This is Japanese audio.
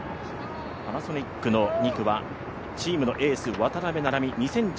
パナソニックの２区はチームのエース・渡邊菜々美。